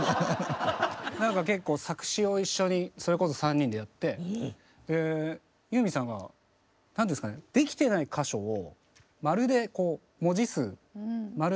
なんか結構作詞を一緒にそれこそ３人でやってユーミンさんが何ですかねできてない箇所を「○」でこう文字数「○○○」。